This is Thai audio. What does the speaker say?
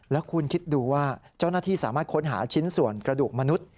แล้วคุณคิดดูว่าเจ้าหน้าที่สามารถค้นหาชิ้นส่วนกระดูกมนุษย์